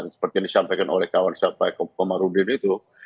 seperti yang disampaikan oleh kawan saya pak komarudin itu